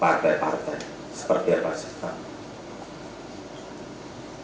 partai partai seperti apa saya tahu